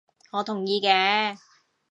我同意嘅